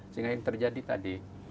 sehingga yang terjadi tadi